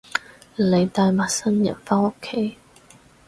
你帶陌生人返屋企